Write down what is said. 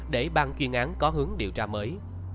để ban chuyên án có hướng điều tra mới